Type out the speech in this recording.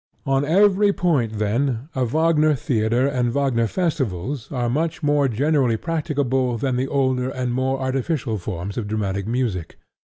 On every point, then, a Wagner theatre and Wagner festivals are much more generally practicable than the older and more artificial forms of dramatic music.